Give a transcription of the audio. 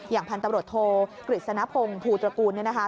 อย่างพันธบริษฐโทกฤษณภงภูตระกูลเนี่ยนะคะ